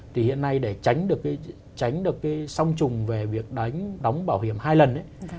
thì hiện nay để tránh được cái song trùng về việc đóng bảo hiểm hai lần